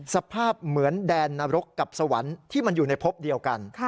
สภาพเหมือนแดนนรกกับสวรรค์ที่มันอยู่ในพบเดียวกัน